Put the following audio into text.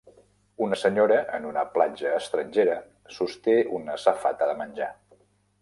Una senyora en una platja estrangera sosté una safata de menjar.